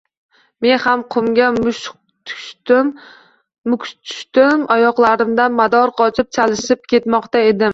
Men ham qumga muk tushdim, oyoqlarimdan mador qochib, chalishib ketmoqda edim.